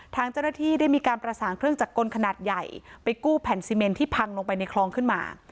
ทางเจ้าหน้าที่ได้มีการประสานเครื่องจักรกลขนาดใหญ่ไปกู้แผ่นซีเมนที่พังลงไปในคลองขึ้นมา